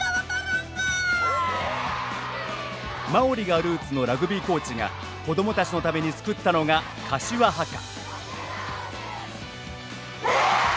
マオリがルーツのラグビーコーチが子どもたちのために作ったのが柏ハカ。